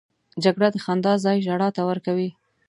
جګړه د خندا ځای ژړا ته ورکوي